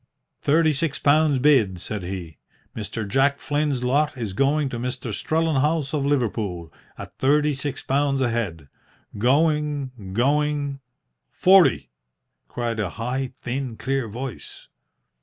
"Thirty six pounds bid," said he. "Mr. Jack Flynn's lot is going to Mr. Strellenhaus of Liverpool, at thirty six pounds a head. Going going " "Forty!" cried a high, thin, clear voice.